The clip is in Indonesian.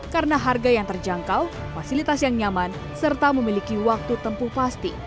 karena harga yang terjangkau fasilitas yang nyaman serta memiliki waktu tempuh pasti